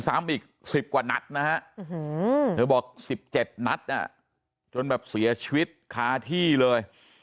ซ้ำอีก๑๐กว่านัดนะฮะเธอบอก๑๗นัดจนแบบเสียชีวิตคาที่เลย